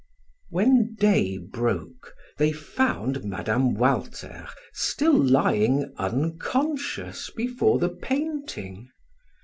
When day broke they found Mme. Walter still lying unconscious before the painting.